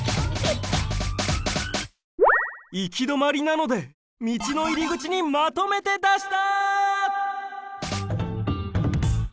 行き止まりなので道の入り口にまとめてだした！